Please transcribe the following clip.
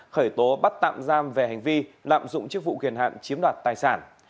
khởi tố bắt tạm giam về hành vi lạm dụng chức vụ quyền hạn chiếm đoạt tài sản